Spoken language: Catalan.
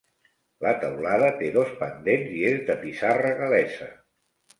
La teulada té dos pendents i és de pissarra gal·lesa.